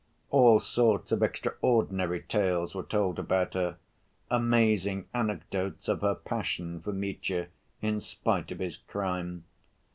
All sorts of extraordinary tales were told about her, amazing anecdotes of her passion for Mitya, in spite of his crime.